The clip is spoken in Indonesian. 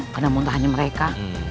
kena muntahnya mereka